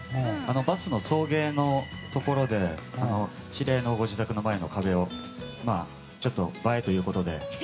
バスの送迎のところで知り合いのご自宅の前の壁をちょっと映えということで。